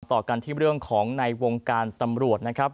ต่อกันที่เรื่องของในวงการตำรวจนะครับ